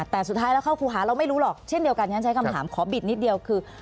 แต่สุดท้ายแล้วเข้าครูหาเราไม่รู้หรอกเช่นเดียวกันฉันใช้คำถามขอบิดนิดเดียวคือ